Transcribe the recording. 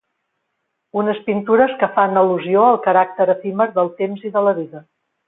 Unes pintures que fan al·lusió al caràcter efímer del temps i de la vida.